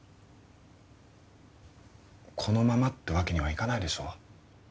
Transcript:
このままってわけにはいかないでしょ